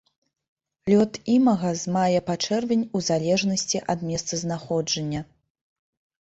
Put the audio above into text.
Лёт імага з мая па чэрвень у залежнасці ад месцазнаходжання.